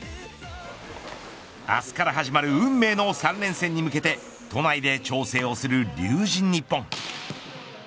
明日から始まる運命の３連戦に向けて都内で調整をする龍神ＮＩＰＰＯＮ。